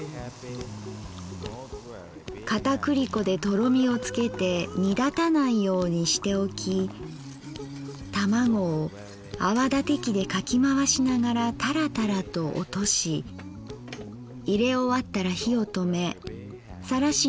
片栗粉でとろみをつけて煮だたないようにしておき玉子を泡立て器でかきまわしながらタラタラと落としいれ終わったら火をとめさらし